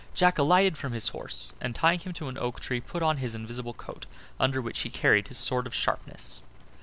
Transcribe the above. Jack alighted from his horse, and tying him to an oak tree, put on his invisible coat, under which he carried his sword of sharpness.